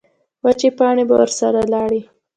وچې پاڼې به ورسره لاړې.